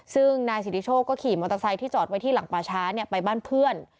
ซึ่งนายสิทธิโชคก็ขี่มอเตอร์ไซค์ที่จอดไว้ที่หลังป่าช้าไปบ้านเพื่อน